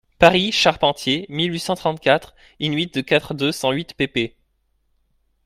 Paris, Charpentier, mille huit cent trente-quatre, in-huit de quatre-deux cent huit pp.